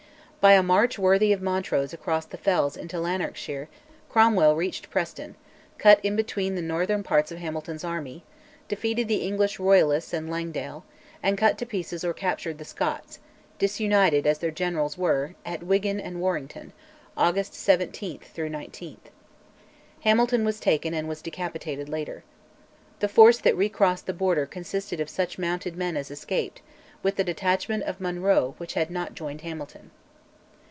By a march worthy of Montrose across the fells into Lanarkshire, Cromwell reached Preston; cut in between the northern parts of Hamilton's army; defeated the English Royalists and Langdale, and cut to pieces or captured the Scots, disunited as their generals were, at Wigan and Warrington (August 17 19). Hamilton was taken and was decapitated later. The force that recrossed the Border consisted of such mounted men as escaped, with the detachment of Monro which had not joined Hamilton.